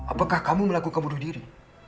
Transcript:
apakah kamu melakukan bunuh diri